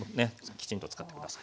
きちんと使って下さい。